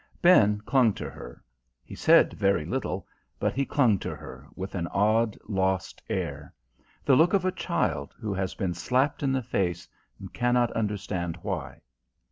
Ben clung to her. He said very little, but he clung to her, with an odd, lost air: the look of a child who has been slapped in the face, and cannot understand why.